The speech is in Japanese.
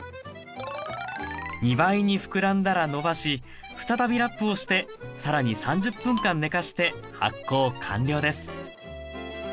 ２倍に膨らんだらのばし再びラップをして更に３０分間ねかして発酵完了です